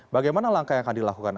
bagaimana langkah yang akan dilakukan